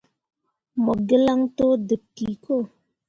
Mo gǝlaŋ to deb ki ko.